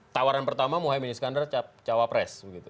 sekarang pertama muhaimin iskandar cawapres